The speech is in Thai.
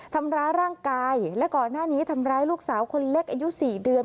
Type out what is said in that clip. ทำร้ายร่างกายและก่อนหน้านี้ทำร้ายลูกสาวคนเล็กอายุ๔เดือน